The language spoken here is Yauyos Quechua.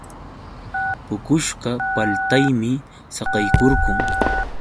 Puqushqa paltaymi saqaykurqun.